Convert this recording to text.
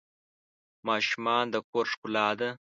ماشومان د کور ښکلا ده.